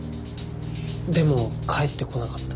でも帰ってこなかった。